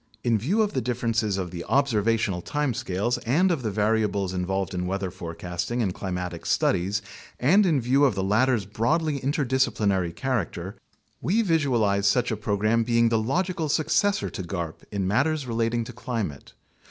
In view of the differences of the observational time scales and of the variables involved in weather fore casting and climatic studies, and in view of the latter's broadly inter disciplinary character, we visualize such a program being the logical successor to garp in matters relating to climate.